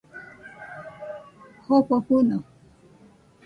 Jofo fɨnode